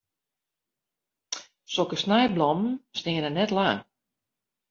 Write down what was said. Sokke snijblommen steane net lang.